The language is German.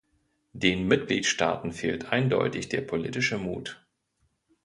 Den Mitgliedstaaten fehlt eindeutig der politische Mut.